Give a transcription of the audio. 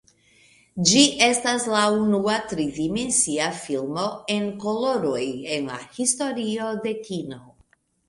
Ĝi estas la unua tri-dimensia filmo en koloroj en la historio de kino.